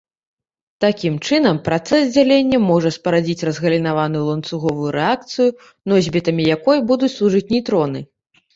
Такім чынам, працэс дзялення можа спарадзіць разгалінаваную ланцуговую рэакцыю, носьбітамі якой будуць служыць нейтроны.